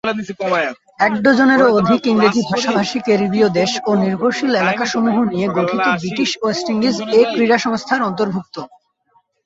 এক ডজনেরও অধিক ইংরেজি ভাষা-ভাষী ক্যারিবিয় দেশ ও নির্ভরশীল এলাকাসমূহ নিয়ে গঠিত ব্রিটিশ ওয়েস্ট ইন্ডিজ এ ক্রীড়া সংস্থার অন্তর্ভুক্ত।